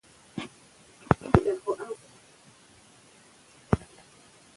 تر ازموینې وړاندې ما خپل ټول کتابونه لوستي وو.